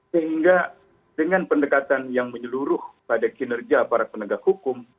sehingga dengan pendekatan yang menyeluruh pada kinerja para penegak hukum